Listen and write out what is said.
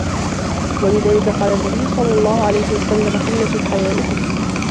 وَلِذَلِكَ قَالَ النَّبِيُّ صَلَّى اللَّهُ عَلَيْهِ وَسَلَّمَ قِلَّةُ الْحَيَاءِ كُفْرٌ